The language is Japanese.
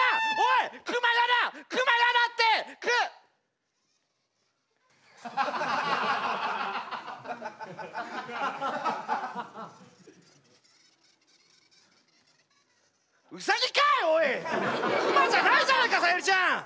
熊じゃないじゃないかサユリちゃん。